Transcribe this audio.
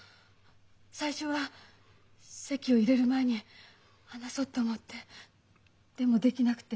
最初は籍を入れる前に話そうと思ってでもできなくて。